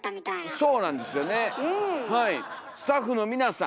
そうなんですよねはい。